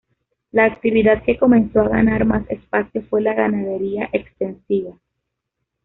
La actividad que comenzó a ganar más espacio fue la ganadería extensiva.